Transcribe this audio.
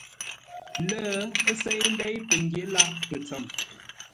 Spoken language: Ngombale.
Lə́, ə́ séi ndéi pəgyě lâʼ pətsəm.